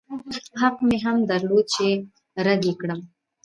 حق مې هم درلود چې رد يې کړم.